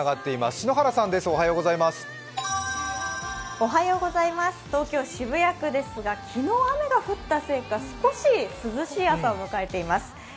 篠原さんです、おはようございます東京・渋谷区ですが昨日雨が降ったせいか、少し涼しい朝を迎えています。